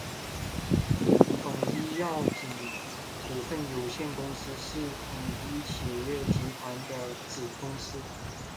统一药品股份有限公司是统一企业集团的子公司。